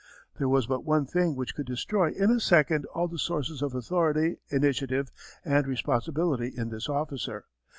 There was but one thing which could destroy in a second all the sources of authority, initiative, and responsibility in this officer.